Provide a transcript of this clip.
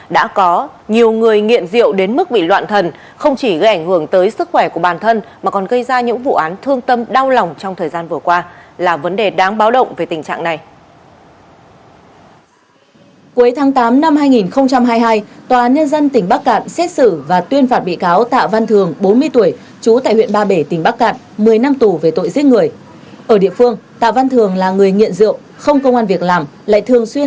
đã có nhiều người nghiện rượu đến mức bị loạn thần không chỉ gây ảnh hưởng tới sức khỏe của bản thân mà còn gây ra những vụ án thương tâm đau lòng trong thời gian vừa qua là vấn đề đáng báo động về tình trạng này